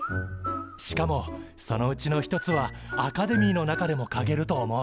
しかもそのうちの一つはアカデミーの中でもかげると思う。